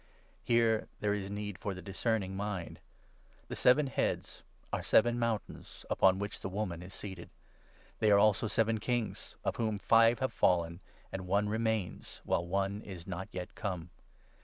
(Here 9 there is need for the discerning mind.) The seven heads are seven mountains upon which the woman is seated. They are 10 also seven kings ; of whom five have fallen and one remains, while one is not yet come.